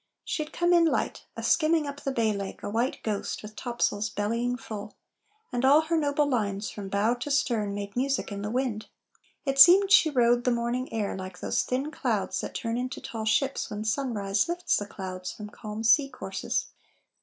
She'd come in light, a skimming up the Bay Like a white ghost with topsails bellying full; And all her noble lines from bow to stern Made music in the wind; it seemed she rode The morning air like those thin clouds that turn Into tall ships when sunrise lifts the clouds From calm sea courses.